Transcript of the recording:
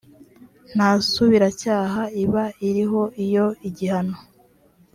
nta subiracyaha iba iriho iyo igihano